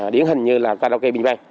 điển hình như là karaoke bình vang